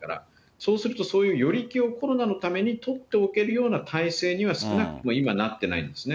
そうすると、そういうよりコロナのために取っておける体制には少なくとも今なってないんですね。